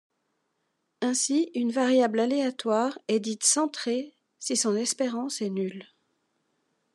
Ainsi, une variable aléatoire est dite centrée si son espérance est nulle.